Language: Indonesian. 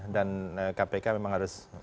dan kpk memang harus